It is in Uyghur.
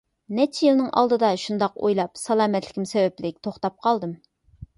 نەچچە يىلنىڭ ئالدىدا شۇنداق ئويلاپ، سالامەتلىكىم سەۋەبلىك توختاپ قالدىم.